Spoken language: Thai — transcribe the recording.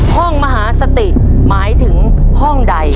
มหาสติหมายถึงห้องใด